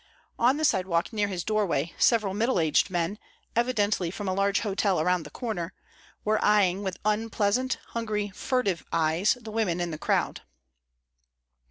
On the sidewalk near his doorway several middle aged men, evidently from a large hotel around the corner, were eyeing, with unpleasant, hungry, furtive eyes the women in the crowd.